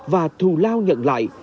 và thù lao nhận lại